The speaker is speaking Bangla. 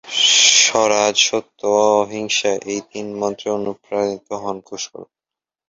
স্বরাজ, সত্য ও অহিংসা এই তিন মন্ত্রে অনুপ্রাণিত হন কুশল।